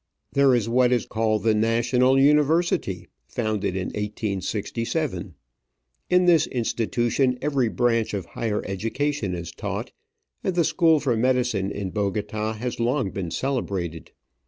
There is what is called the National University, founded in 1867 ; in this institution every branch of higher education is taught, and the school for medicine in Bogota has long been celebrated.